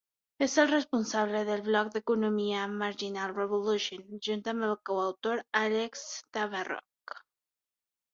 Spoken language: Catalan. És el responsable del blog d'economia "Marginal Revolution", junt amb el coautor Alex Tabarrok.